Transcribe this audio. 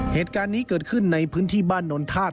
เหตุการณ์นี้เกิดขึ้นในพื้นที่บ้านนนทาก